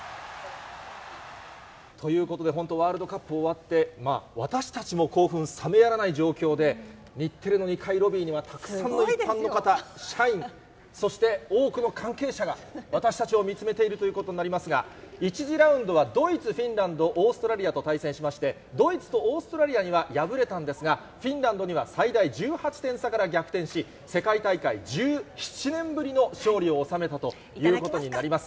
ということで、本当、ワールドカップ終わって、私たちも興奮冷めやらない状況で、日テレの２階ロビーには、たくさんの一般の方、社員、そして多くの関係者が私たちを見つめているということになりますが、１次ラウンドはドイツ、フィンランド、オーストラリアと対戦しまして、ドイツとオーストラリアには敗れたんですが、フィンランドには最大１８点差から逆転し、世界大会１７年ぶりの勝利を収めたということになります。